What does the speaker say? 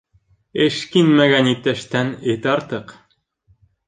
Эшкинмәгән иптәштән эт артыҡ.